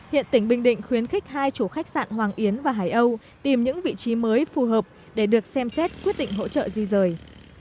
hiện tỉnh bình định khuyến khích hai chủ khách sạn hoàng yến và hải âu tìm những vị trí mới phù hợp để được xem xét quyết định hỗ trợ di rời